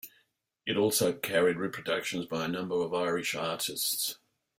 It also carried reproductions by a number of Irish artists.